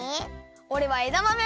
おれはえだまめ！